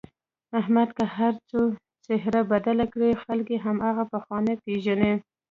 احمد که هرڅو څهره بدله کړي خلک یې هماغه پخوانی پېژني.